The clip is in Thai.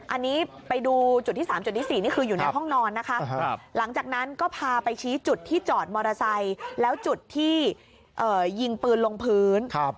อันนี้ไปดูจุดที่๓จุดที่๔นี่คืออยู่ในห้องนอนนะคะหลังจากนั้นก็พาไปชี้จุดที่จอดมอเตอร์ไซค์แล้วจุดที่ยิงปืนลงพื้น